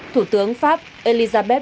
thủ tướng pháp elizabeth